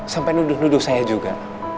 sampai nuduh nuduh saya juga